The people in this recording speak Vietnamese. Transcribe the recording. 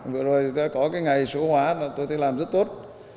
vừa rồi có cái ngày số hóa tôi thấy làm rất tốt